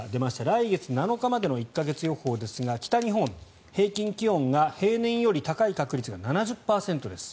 来月７日までの１か月予報ですが北日本、平均気温が平年より高い確率が７０％です。